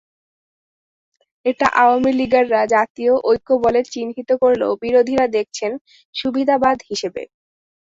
এটা আওয়ামী লীগাররা জাতীয় ঐক্য বলে চিহ্নিত করলেও বিরোধীরা দেখছেন সুবিধাবাদ হিসেবে।